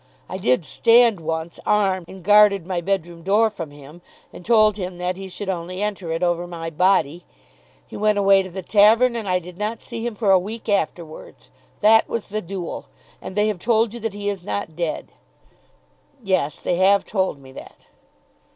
I did stand once, armed, and guarded my bedroom door from him, and told him that he should only enter it over my body. He went away to the tavern and I did not see him for a week afterwards. That was the duel. And they have told you that he is not dead." "Yes; they have told me that."